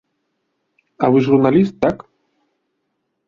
А вы журналіст, так?